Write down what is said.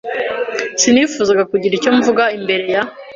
Sinifuzaga kugira icyo mvuga imbere ya .